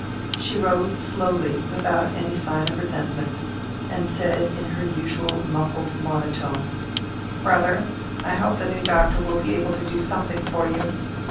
She rose slowly without any sign of resentment, and said in her usual muffled monotone, "Brother, I hope the new doctor will be able to do something for you.